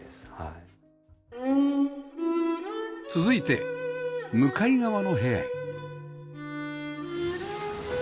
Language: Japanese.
続いて向かい側の部屋へ